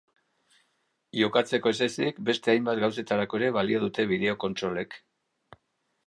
Jokatzeko ez ezik, beste hainbat gauzetarako ere balio dute bideo-kontsolek.